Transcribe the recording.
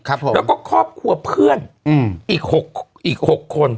แล้วก็ครอบครัวเพื่อนอีก๖คน